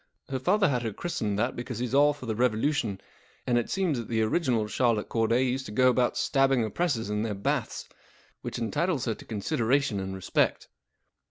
Her father had her christened that because he's all for the Revolution, and it seems that the original Charlotte Cordav used to go about stabbing oppressors in their baths, which entitles her to consideration and respect.